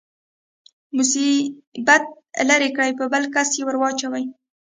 مصیبت لرې کړي په بل کس يې ورواچوي.